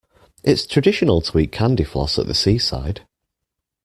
It's traditional to eat candy floss at the seaside